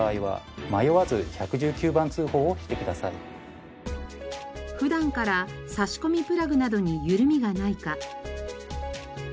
こういう普段から差し込みプラグなどに緩みがないか。